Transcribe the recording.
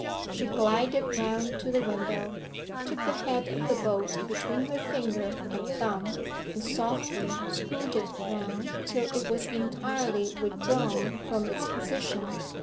She glided round to the window, took the head of the bolt between her finger and thumb, and softly screwed it round until it was entirely withdrawn from its position.